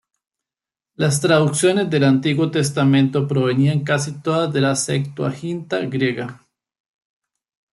Las traducciones del Antiguo Testamento provenían casi todas de la Septuaginta griega.